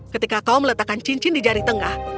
ketika kau meletakkan cincin di jari tengah